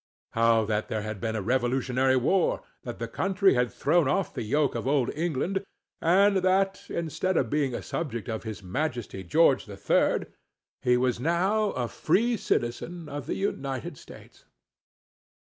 How that there had been a revolutionary war—that the country had thrown off the yoke of old England—and[Pg 20] that, instead of being a subject of his Majesty George the Third, he was now a free citizen of the United States.